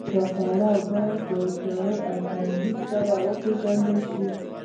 دا پړاو باید په هوښیارۍ او تدبیر سره وپیژندل شي.